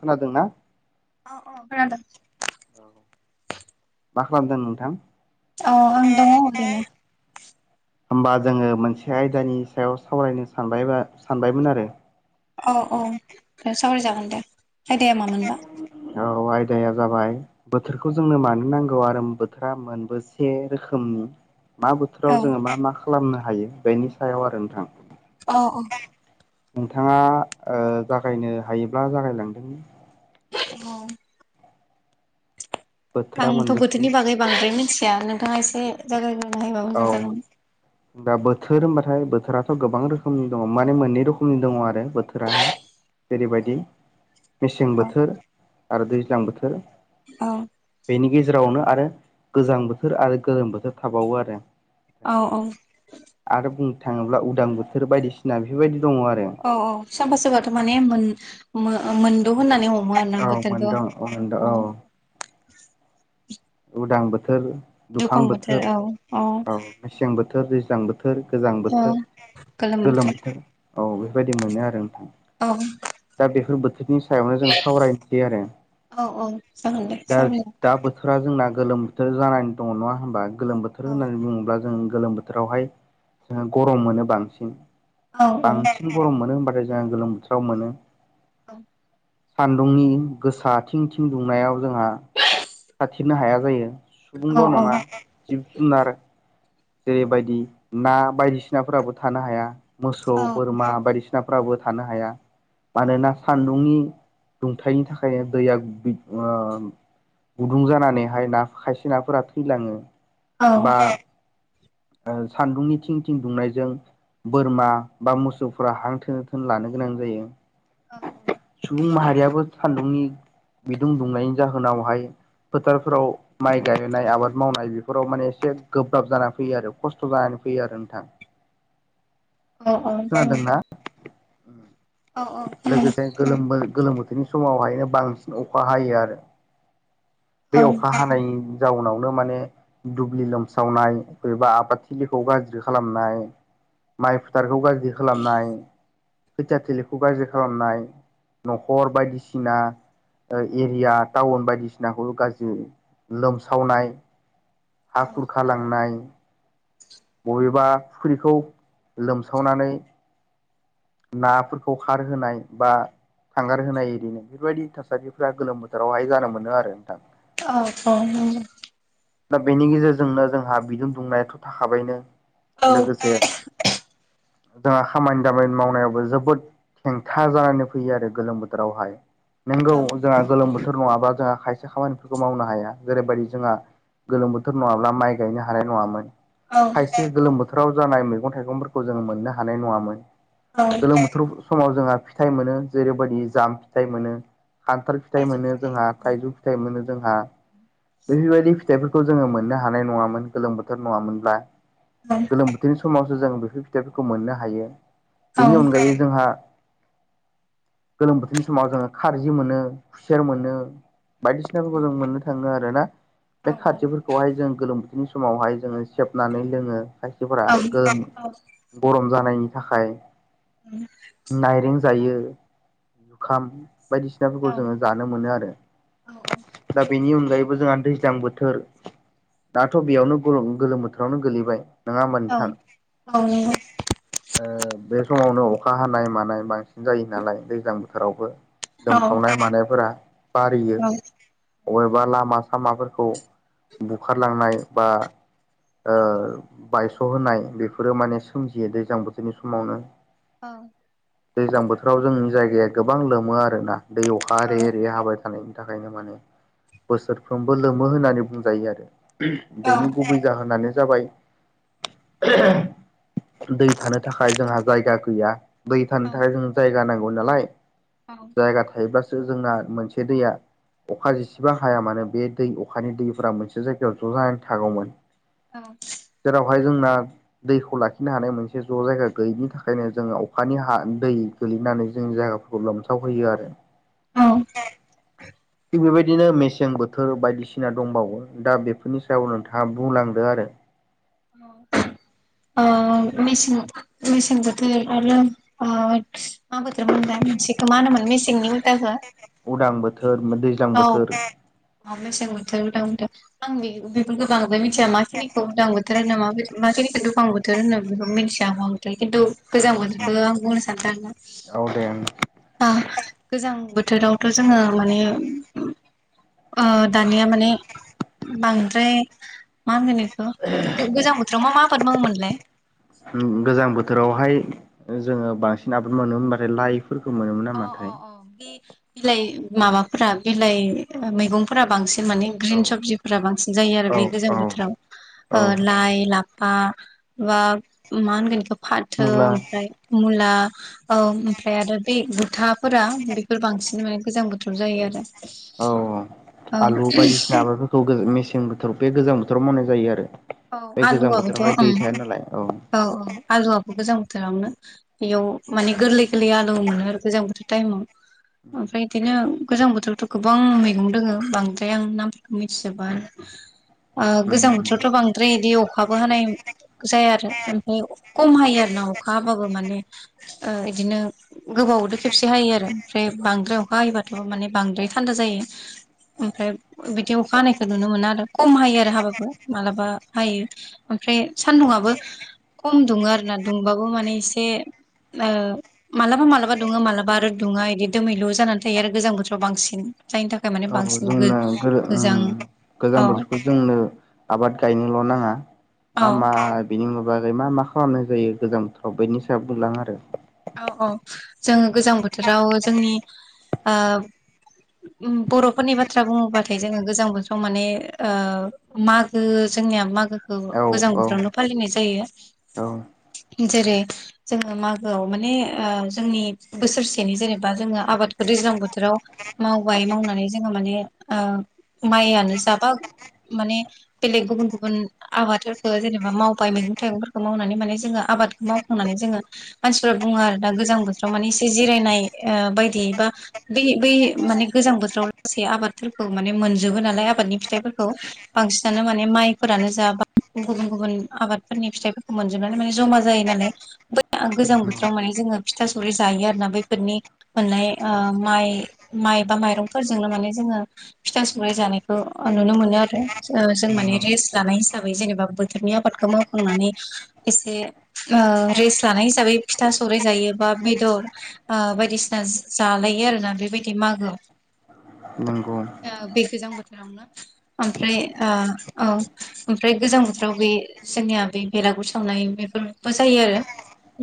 खोनादों ना? अ अ खोनादों। औ मा खालामदों नोंथां औ आं दङ' ओरैनो होमबा जोङो मोनसे आयदानि सायाव सावरायनो सानबाय बा सानबायमोन आरो औ औ सावराय जागोन दे आयदाया मामोन? औ आयदाया जाबाय बोथोरखौ जोंनो मानो नांगौ आरो बोथोरा मोनबेसे रोखोमनि मा बोथोराव औ जोङो मा मा खालामनो हायो बेनि सायाव आरो नोंथां। अ अ। नोंथाङा ओ जागायनो हायोब्ला जागायलांदों बोथोरा आंथ' मोनबेसे बोथोरनि बागै बांद्राय मिथिया नोंथाङा एसे जायगायग्रोना होयोबा औ मोजां जागौमोन। दा बोथोर होनबाथाय बोथोराथ' गोबां रोखोमनि दङ' माने मोननै रखमनि दङ' आरो बोथोराहाय जेरैबायदि मेसें औ बोथोर आरो दैज्लां बोथोर औ बेनि गेजेरावनो आरो गोजां बोथोर आरो गोलोम बोथोर थाबावो आरो औ औ आरो बुंनो थाङोब्ला उदां बोथोर बायदिसिना बेफोरबायदि दङ आरो। औ औ सोरबा सोरबाथ' माने मोन मोनद' होननानै हमो आर ना औ बोथोरखौ। मोनदों औ मोनदों औ उदां बोथोर दुफां बोथोर औ मेसें बोथोर दैज्लां बो थोर गोजां औ बोथोर गोलोम बोथोर औ औ बेफोरबायदि मोनो आरो नोंथां दा बेफोर बोथोर नि सायावनो जों सावरायनो हायो आरो औ औ जागोन दे दा सावराय दा बो थोरा जोंना गोलोम बोथोर जानानै दङ नङा होनोमबा। गोलोम बोथोर औ होननानै बुङोब्ला जों गोलोम बो थोरावहाय जोङो गरम मोनो बांसिन औ औ बां सिन गरम मोनो होनबाथाय जोंहा गोलोम बोथोराव मोनो। औ सान्दुंनि गोसा थिं थिं दुंनायाव जोंहा [inaudible] खाथेरनो हाया जायो सुबुंल' नङा औ जिब जुनार जेरैबायदि ना बायदिसिनाफोराबो थानो हाया। मोसौ बोरमा बायदिसि सिनाफ्राबो थानो हाया। मानोना सान्दुंनि दुंथायनि थाखाय दैया ओ गुदुं जानानैहाय ना खायसे नाफोरा थैलाङो। औ। बा सान्दुंनि थिं थिं दुंनायजों बोरमा बा मोसौफोरा हां थोन थोन लानो गोनां जायो। औ। सुबुं माहारियाबो सान्दुंनि बिदुं दुंनायनि जाहोनावहाय फोथारफोराव माइ गायनाय आबाद मावनाय बेफोराव माने एसे गोब्राब जाना फैयो आरो खस्थ' जानानै फैयो आरो नोंथां। औ खोनादोंना? औ लोगोसे गोलोम गोलोम बोथोरनि समावहायनो बांसिन अखा हायो आरो। औ बे अखा हानायनि जाउनावनो माने दुब्लि लोमसावनाय एबा आबाद थिलिखौ गाज्रि खालामनाय माइ फोथारखौ गा ज्रि खालामनाय खैथिया थिलिखौ गाज्रि खालामनाय। न'खर बायदिसिना एरिया टाउन बायदिसिनाखौल' गाज्रि लोमसावनाय हा खुरख' लांनाय बबेबा फुख्रिखौ लोमसावनानै नाफोरखौ खारहोनाय बा थांगार होनाय दिनो बेफोरबायदि थासारिफ्रा गोलोम बोथोरावहाय जानो मोनो आरो नोंथां। अ औ नंगौ। दा बेनि गेजेरजोंनो जोंहा बिदुं दुंनायाथ' थाखाबायनो। लोगोसे जोंहा खामानि दामानि मावनायावबो जोबोद हेंथा जानानै फैयो आरो गोलोम बोथोरावहाय औ नंगौ जोंहा गोलोम बोथोर नङाबा जोंहा खायसे खामानिफोरखौ मावनो हाया जेरैबायदि जोंहा गोलोम बोथोर नङाब्ला माइ गायनो हानाय नङामोन औ खायसे गोलोम बो थोराव जानाय मैगं थाइगंफोरखौ जों मोननो हानाय नङामोन। औ गोलोम बोथोराव समाव जोंहा फिथाइ मोनो जेरैबायदि जाम फिथाइ मोनो खान्थाल फिथाइ थाइजौ मोनो जोंहा औ थाइजौ फिथाइ मोनो जोंहा बेफोरबायदि फिथाइफोरखौ जोङो मोननो हानाय नङामोन गोलोम बोथोर नङामोनब्ला औ गोलोम बोथोरनि समावसो जों बेफोर फिथाइफोरखौ मोननो हायो औ बेनि अनगायै जोंहा गोलोम बोथोरनि समाव जोङो खारजि मोनो खुसेर मोनो बायदिसिनाफोरखौ जों मोननो थाङो आरो ना औ बे खारजिफोरखौहाय जों गोलोम बोथोरनि समावहाय जोङो सेबनानै लोङो खायसेफोरा औ नंगौ औ गोजोम गरम जानायनि थाखाय उम नाइरें जायो जुखाम बायदिसि ना फोरखौ जोङो जानो मोनो आरो दा बेनि अनगायैबो जोंहा दैज्लां बोथोर थोर दाथ बेयावनो गोलोम बोथोरावनो गोलैबाय नङा होमबा औ नोंथां ओ बे समावनो अखा हानाय मानाय बांसिन जायो नालाय दैज्लां बोथोरावबो लोमसावनाय मानायफोरा बारियो अबेबा लामा सामाफोरखौ बुखारलांनाय बा ओ बायस होनाय बेफोरो माने सोमजियो दैजां बोथोरनि समावनो औ दैज्लां बोथोराव जोंनि जायगाया गोबां लोमो आरोना दै अखा रे रे हाबाय थानायनि थाखायनो माने बोसोरफ्रोमबो लोमो होननानै बुंजायो आरो बेनि गुबै जाहोनानो जाबाय दै थानो थाखाय जोंहा जायगा गैया दै थानो थाखाय जों जायगा नांगौ नालाय जायगा थायोब्ला जोंना मोनसे दैया अखा जिसेबां हाया मानो बे दै अखानि दै फोरा मोनसे जायगायाव ज जानानै थागौमोन औ जेरावहाय जोंना दैखौ लाखिनो हानाय मोनसे ज जायगा गैयिनि थाखायनो जोङो अखानि हा दै गोलैनानै जों जायगाफोरखौ लोमसावहयो आरो औ थिग बेबायदिनो मेसें बोथोर बायदिसिना दंबावो दा बेफोरनि सायाव नोंथाङा बुंलांदो आरो ओ मेसें मेसें बोथोर बा लो ओ मा बोथोरमोनलाय मोनसेखौ मा होनोमोन मेसेंनि उलथाखो उदां बोथोर दैज्लां बोथोर अ बेसें बोथोर उदां बोथोर आं बेफोर बांद्राय मिथिया माखिनिखौ उदां बोथोर बोथोर होनो मा खिनिखौ दुफां बोथोर होनो बेखौ मिथिया मा बोथोर खिन्थु गोजां बोथोरखो आं बुंनो सानदों आरो औदे ओं गोजां बोथोरावथ जोङो माने ओ दानिया माने बांद्राय मा होनगो बेखौ गोजां बोथोराव मा मा आबाद मावोमोनलाय गोजां बोथोरावहाय जोङो बांसिन आबाद मोनोम होनबाथाय लाइ फोरखौ मोनोमोन अ अ नामाथाय अ बे बिलाइ माबाफोरा बिलाइ मैगंफोरा बांसिन माने औ ग्रिन सबजिफोरा बांसिन जायो औ आरो बे गोजां औ बोथोराव ओ औ लाइ लाफा बा मा होन इखौ? फाथो मुला ओमफ्राय मुला औ ओमफ्राय आरो बे बुथाफोरा बेफोर बांसिन माने गोजां बुथोराव जायो आरो औ आलु औ बायदिसिना बेफोरखौ मेसें बोथोर बे गोजां बोथोराव मावनाय जायो आरो। औ बे गोजां आलुआबोथ' बोथोरावहाय दै ओं थाया नालाय औ औ। आलुआबो गोजां बोथोरावनो बेयाव माने गोरलै गोरलै आलु मोनो आरो गोजां बोथोर टाइमाव ओमफ्राय इदिनो गोजां बोथोरावथ गोबां मैगं दोङो बांद्राय आं नामफोरखौ मिथिजोबा आरो। ओ गोजां बोथोरावथ' बांद्राय बिदि अखाबो हानाय जाया आरो ओमफ्राय कम हायो आरोना अखा हाबाबो माने ओ इदिनो गोबावदो खेबसे हायो आरो ओमफ्राय बांद्राय अखा हायोबाथ' माने बांद्राय थान्दा जायो। ओमफ्राय बिदि अखा हानायखौ नुनो मोना आरो कम हायो आरो हाबाबो मालाबा हायो ओमफ्राय सान्दुंआबो खम दुङो आरो ना दुंबाबो माने एसे ओ मालाबा मालाबा दुङो मालाबा आरो दुङा इदि दोमैलु जानानै थायो आरो गोजां बोथोराव बांसिन। जायनि थाखाय माने औ बांसिन जोंना गोजां औ बोथोरखौ जोंनो आबाद गायनोल' नाङा औ मा मा बिनि उन बागै मा मा खालामनाय जायो गोजां बोथोराव बेनि सायाव बुंलां आरो। औ औ जों गोजां बोथोराव जोंनि ओ बर'फोरनि बाथ्रा बुङोबाथाय जोङो गोजां बोथोराव माने ओ मागो जोंनिया मागोखौ औ गोजां औ बोथोरावनो फालिनाय जायो। औ जेरै जोङो मागो आव माने ओ जोंनि बोसोरसेनि जेनेबा जोङो आबादखौ दैज्लां बोथोराव मावबाय मावनानै जोङो माने ओ माइआनो जाबा माने बेलेग गुबुन गुबुन आबादफोरखौ जेनेबा मावबाय मैगं थाइगंफोरखौ मावनानै माने जोङो आबादखौ मावखांनानै जोङो मानसिफ्रा बुङो आरो दा गोजां बोथोराव माने एसे जिरायनाय ओ बायदि बा बै बै माने गोजां बोथोराव लासै आबादफोरखौ माने मोनजोबो नालाय आबादनि फिथाइफोरखौ बांसिनानो माने माइफोरानो जाबा गुबुन गुबुन आबादफोरनि फिथाइफोरखौ मोनजोबनानै माने जमा जायो नालाय गोजां बोथोराव माने जोङो फिथा सौराय जायो आरोना बैफोरनि मोननाय ओ माइ माइ बा माइरंफोरजोंनो माने जोङो फिथा सौराइ जानायखौ नुनो मोनो आरो जों माने रेस्ट लानाय हिसाबै जेनेबा बोथोरनि आबादखौ माव खांनानै एसे ओ रेस्ट लानाय हिसाबै फिथा सौराइ जायो बा बेदर ओ बायदिसिना जालायो आरोना बेबायदि मागोआव। नोंगौ। ओ बे गोजां बोथोरावनो ओमफ्राय ओ औ ओमफ्राय गोजां बोथोराव बे जोंनिया बे बेलागुर सावनाय बेफोरबो जायो आरो।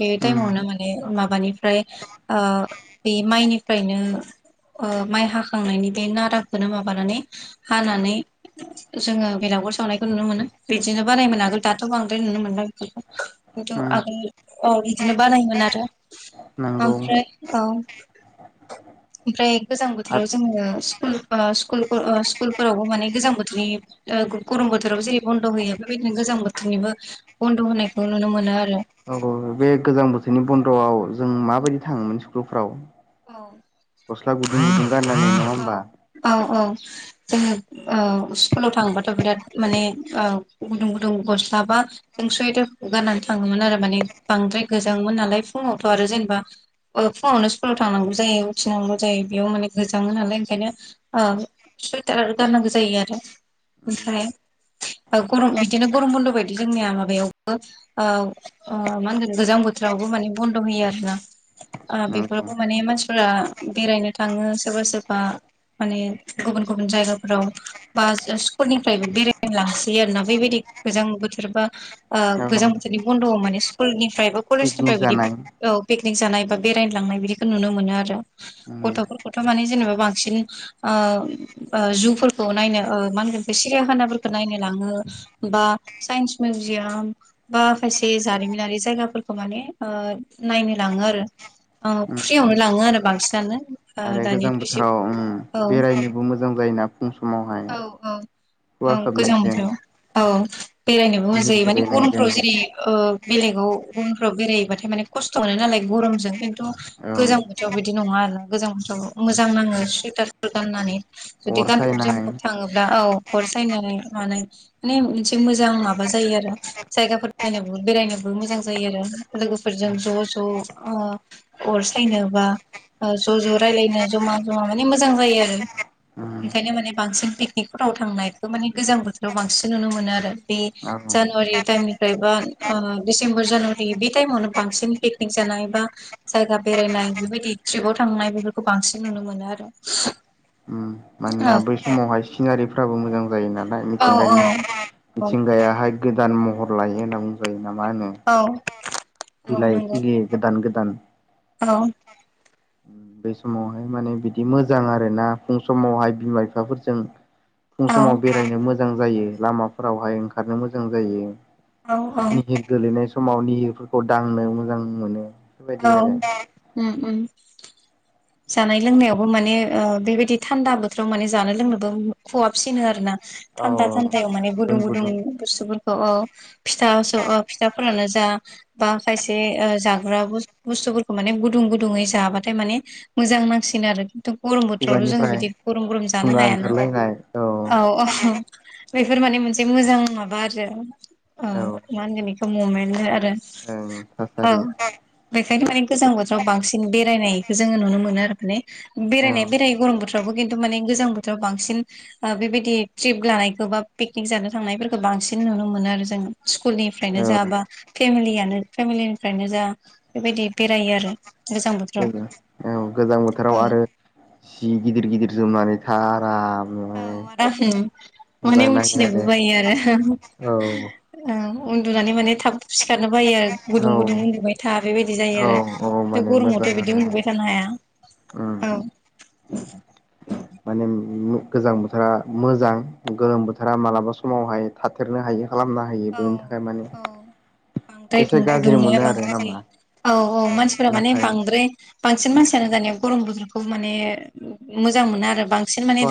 बे उम टाइमावनो माने माबानिफ्राय ओ बे माइनिफ्रायनो ओ माइ हाखांनायनि बे नाराखोनो माबानानै हानानै जोङो बेलागुर सावनायखौ नुनो मोनो बिदिनो बानायोमोन आगोल दाथ' बांद्राय नुनो मोनला बेफोरखौ। किनतु उम आगोल औ बिदिनो बानायोमोन आरो नंगौ ओमफ्राय औ [inaudible] ओमफ्राय गोजां औ बोथोराव जोङो स्कुल क स्कुल क स्कुल फोरावबो माने गोजां बोथोरनि ओ गरम बोथोराव जेरै बन्द' होयो बेबायदिनो गोजां बोथोरनिबो बन्द' होनायखौ नुनो मोनो आरो। बे गोजां बोथोरनि बन्द'आव जों माबायदि थाङोमोन स्कुलफ्राव? औ गस्ला गुदुं गुदुं गाननानै नङा औ होनबा औ औ जोङो ओ स्कुलाव थाङोबाथ' बिराद माने गुदुं गुदुं गस्ला बा जों सुवेटारखौ गारनानै थाङोमोन आरो माने बांद्राय गोजाङोमोन नालाय फुङावथ' आरो जेनेबा ओ फुङावनो स्कुलाव थांनांगौ जायो उथिनांगौ जायो बेयाव माने थाङो नालाय ओंखायनो ओ सुइटार गाननांगौ जायो आरो ओमफ्राय गरम बिदिनो गरम बन्द' बायदि जोंनिया माबायावबो ओ ओ मा होनगोन गोजां बोथोरावबो माने बन्द' होयो आरोना। ओ नंगौ बेफोरावबो माने मानसिफोरा बेरायनो थाङो सोरबा सोरबा माने गुबुन गुबुन जायगाफोराव बा स्कुलनिफ्रायबो बेरायनो लांसोयो आरोना बेबायदि गोजां बोथोरबा। ओ औ गोजां बोथोरनि बन्द' माने स्कुलनिफ्राय बा पिकनिक कलेजनिफ्राय बिदि जानाय औ पिकनिक जानाय बा बेरायनो लांनाय बिदिखौ नुनो मोनो आरो उम गथ'फोरखौथ' माने जेनेबा बांसिन ओ जुफोरखौ नायनो मा होनगोन सिरियाखानाफोरखौ नायनो लाङो बा साइन्स मिउजियाम बा खायसे जारिमिनारि जायगाफोरखौ माने ओ नायनो लाङो आरो औ उम फ्रियावनो लाङो आरो बांसिनानो ओ आरो गोजां दानियाथ' एसे बोथोराव ओम औ बेरायनोबो मोजां जायोना फुं समावहाय औ खुवा औ गोजां खोबनायजों बोथोराव औ बेरायनोबो मोजां बिहिर जायो माने गोलैनायजों गरमफ्राव जेरै ओ बेलेगाव गुबुनफ्राव बेराय हैबाथाय माने खस्थ' मोनो नालाय गरमजों खिन्थु औ गोजां बोथोराव बिदि नङा आरोना गोजां बोथोराव मोजां नाङो सुइटारफोर गाननानै जुदि अर गानफब सायनाय जोमफब थाङो। औ अर सायनानै मानाय माने मोनसे मोजां माबा जायो आरो जायगाफोर नायनोबो बेरायनोबो मोजां जायो आरो लोगोफोरजों ज' ज' अर सायनो बा ओ ज' ज' रायलायनो ज'मा जमा माने मोजां जायो आरो उम ओंखायनो माने बांसिन पिकनिकफोराव थांनायखौ माने गोजां बोथोराव बांसिन नुनो मोनो आरो बे औ जानुवारि टाइमनिफ्राय बा ओ डिसेम्बर जानुवारि बे टाइमावनो बांसिन पिकनिक जानाय बा जायगा बेरायनाय बेबायदि थ्रिबाव थांनाय बेफोरखौ बांसिन नुनो मोनो आरो उम माने दा बै समावहाय सिनारिफ्राबो मोजां जायो नालाय औ मिथिंगानि औ औ मिथिंगायाहाय गोदान महर लायो होनना बुंजायो ना मा होनो औ औ बिलाइ नंगौ खिलियो गोदान गोदान औ बेै समावहाय माने बिदि मोजां आरोना फुं समावहाय बिमा बिफाफोरजों फुं औ समाव बेरायनो मोजां जायो लामाफोरावहाय ओंखारनो मोजां जायो औ औ निहिर गोलैनाय समाव निहिरफोरखौ दांनो मोजां मोनो औ बेफोरबायदि आरो ओ ओ [inaudible] जानाय लोंनायावबो माने बेबायदि थान्दा बोथोराव माने जानाय लोंनोबो खवाबसिनो आरोना औ थान्दा थान्दायाव माने गुदुं गुदुं बुस्थुफोरखौ औ फिथासो औ फिथाफोरानो जा बा खायसे जाग्रा बुस बुस्थुफोरखौ माने गुदुं गुदुङै जाबाथाय माने मोजां नांसिनो आरो गरम बोथोरावथ' जोङो खुगानिफ्राय बिदि गरम गरम जानो थुंगा हायाना ओंखारलायनाय औ औ बेफोर माने मोनसे मोजां माबा आरो औ मा होनगोन बेखौ ममेननो आरो ओं औ थासारि बेखायनो माने गोजां बोथोराव बांसिन बेरायनायखौ जोङो नुनो मोनो आरो माने औ बेरायनाया बेरायनायो गरम बोथोरावबो खिन्थु माने गोजां बोथोराव बांसिन बेबायदि ट्रिप लानायखौ बा पिकनिक जानो थांनायफोरखौ बांसिन नुनो मोनो आरो जोङो। स्कुल निफ्रायनो जा बा फेमिलियानो फेमिलि निफ्रायनो जा बेबायदि बेरायो आरो गोजां बोथोराव गोजा औ गोजां बोथोराव औ आरो सि गिदिर गिदिर जोमनानै था आराम। औ माने आराम माने मोजां नाङो उथिनोबो बायो आरो औ औ उन्दुनानै माने थाब सिखारनो बायो आरो गुदुं औ गुदुं उन्दुबाय था बेबायदि जायो औ आरो औ दा माने मोजां गरमावथ' बिदि आरो उन्दुबाय थानो हाया उम औ माने गोजां बोथोरा मोजां गोलोम बोथोरा मालाबा समावहाय थाथेरनो हायै खालामना हायो बेनि थाखाय माने। औ औ बांद्राय एसे गाज्रि दुं-दुंनाया मोनो आरो बांद्राय जायो नामा औ औ मानसिफोरा माने नाथाय सहाय बांद्राय बांसिन मानसियानो दानिया गरम बोथोरखौ माने मोजां मोनो आरो बांसिन माने